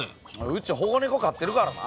うち保護ネコ飼ってるからな。